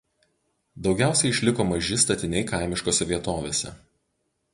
Daugiausiai išliko maži statiniai kaimiškose vietovėse.